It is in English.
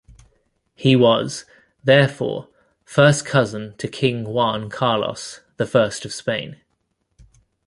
He was, therefore, first cousin to King Juan Carlos the First of Spain.